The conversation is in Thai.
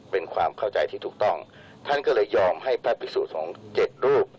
เป็นความเข้าใจที่ถูกต้องท่านก็เลยยอมให้พระพิสุสงฆ์๗รูป